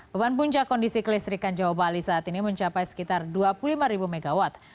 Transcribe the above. beban puncak kondisi kelistrikan jawa bali saat ini mencapai sekitar dua puluh lima mw